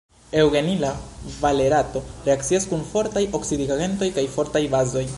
Eŭgenila valerato reakcias kun fortaj oksidigagentoj kaj fortaj bazoj.